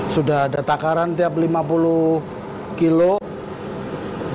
sudah ada takaran tiap lima puluh kilo